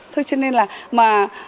thế cho nên là